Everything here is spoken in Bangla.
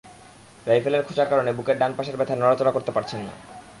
রাইফেলের খোঁচার কারণে বুকের ডান পাশের ব্যথায় নড়াচড়া করতে পারছেন না।